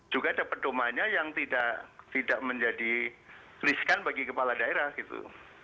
juga ada pedomannya yang tidak menjadi riskan bagi kepala daerah gitu